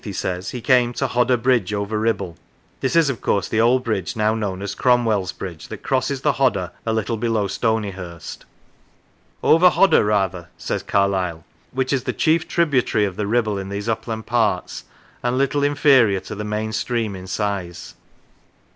he says, he came to "Hodder Bridge over Kibble." This is, of course, the old bridge now known as " Cromwell's Bridge " that crosses the Hodder, a little below Stonyhurst. "Over Hodder 121 Q Lancashire rather," says Carlyle, " which is the chief tributary of the Kibble in these upland parts, and little inferior to the main stream in size.